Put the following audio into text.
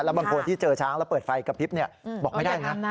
บางคนที่เจอช้างแล้วเปิดไฟกระพริบบอกไม่ได้นะ